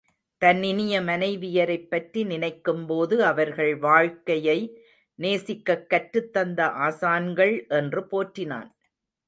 தன் இனிய மனைவியரைப் பற்றி நினைக்கும்போது அவர்கள் வாழ்க்கையை நேசிக்கக் கற்றுத்தந்த ஆசான்கள் என்று போற்றினான்.